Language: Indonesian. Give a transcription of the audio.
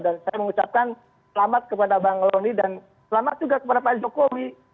dan saya mengucapkan selamat kepada bang rony dan selamat juga kepada pak el jokowi